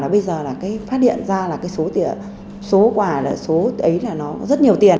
bây giờ phát điện ra là số quà rất nhiều tiền